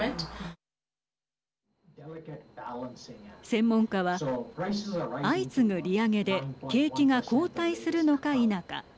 専門家は相次ぐ利上げで景気が後退するのか否か。